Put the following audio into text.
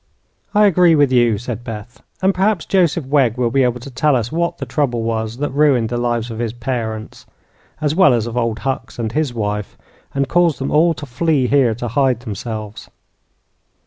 "I agree with you," said Beth; "and perhaps Joseph Wegg will be able to tell us what the trouble was that ruined the lives of his parents, as well as of Old Hucks and his wife, and caused them all to flee here to hide themselves."